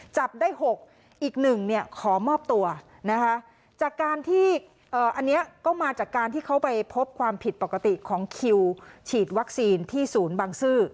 จับได้๖อีก๑ขอมอบตัวอันนี้ก็มาจากการที่เขาไปพบความผิดปกติของคิวฉีดวัคซีนที่ศูนย์บังซื้อ